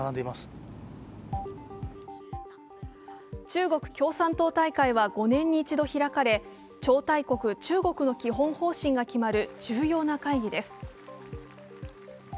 中国共産党大会は５年に一度開かれ、超大国・中国の基本方針が決まる重要な会議です。